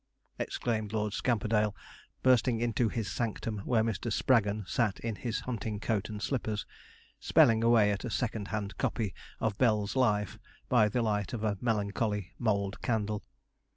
exclaimed Lord Scamperdale, bursting into his sanctum where Mr. Spraggon sat in his hunting coat and slippers, spelling away at a second hand copy of Bell's Life by the light of a melancholy mould candle.